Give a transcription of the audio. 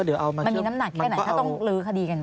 มันมีน้ำหนักแค่ไหนถ้าต้องลื้อคดีกันไหม